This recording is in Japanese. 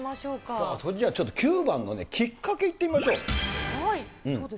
さあ、それじゃ、ちょっと９番のね、きっかけいってみましょう。